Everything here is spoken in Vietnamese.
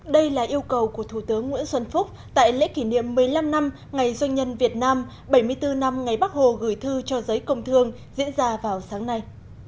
đây là yêu cầu của thủ tướng nguyễn xuân phúc tại lễ kỷ niệm một mươi năm năm ngày doanh nhân việt nam bảy mươi bốn năm ngày bắc hồ gửi thư cho giới công thương diễn ra vào sáng nay